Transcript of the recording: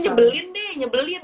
atau nyebelin deh nyebelin